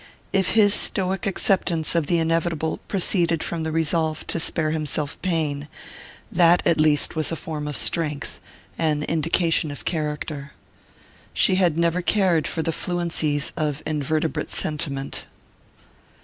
If his stoic acceptance of the inevitable proceeded from the resolve to spare himself pain, that at least was a form of strength, an indication of character. She had never cared for the fluencies of invertebrate sentiment.